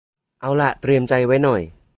เอาหละเตรียมใจไว้หน่อย